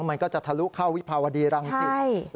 มันก็จะทะลุเข้าวิภาวดีรังสิต